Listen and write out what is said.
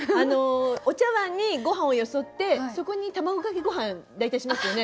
お茶わんにごはんをよそってそこに卵かけごはん大体しますよね。